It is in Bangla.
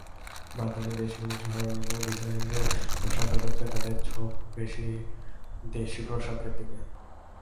বাজারে দেশি-বিদেশি হরেক রকম ডিজাইনের পোশাক এলেও ক্রেতাদের ঝোঁক দেশি পোশাকের দিকে।